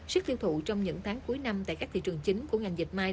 sức thiêu thụ trong những tháng cuối năm tại các thị trường chính của ngành dịch mai